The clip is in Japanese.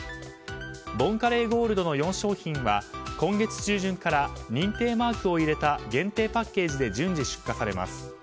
ボンカレーゴールドの４商品は今月中旬から認定マークを入れた限定パッケージで順次出荷されます。